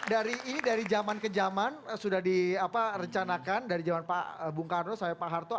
dari ini dari zaman ke zaman sudah direncanakan dari zaman pak bung karno sampai pak harto